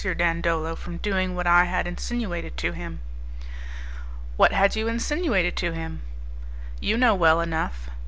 Dandolo from doing what I had insinuated to him?" "What had you insinuated to him?" "You know well enough."